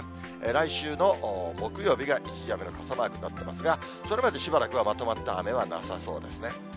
来週の木曜日が一時雨の傘マークになってますが、それまでしばらくはまとまった雨はなさそうですね。